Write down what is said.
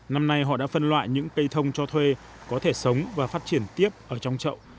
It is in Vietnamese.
năm nay họ đã phân loại những cây thông cho thuê có thể sống và phát triển tiếp ở trong chậu